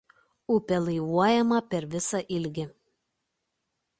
Upė laivuojama per visą ilgį.